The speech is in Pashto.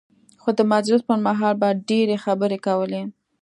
خو د مجلس پر مهال به ډېرې خبرې کولې.